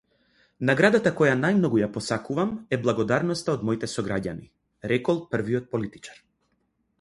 Наградата која најмногу ја посакувам е благодарноста од моите сограѓани, рекол првиот политичар.